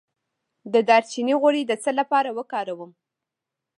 د دارچینی غوړي د څه لپاره وکاروم؟